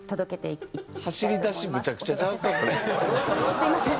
すみません。